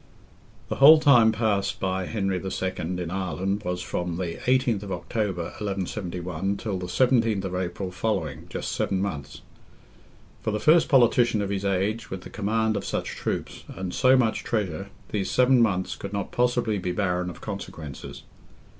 The whole time passed by Henry II. in Ireland was from the 18th October, 1171, till the 17th of April following, just seven months. For the first politician of his age, with the command of such troops, and so much treasure, these seven months could not possibly be barren of consequences.